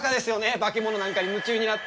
化け物なんかに夢中になって。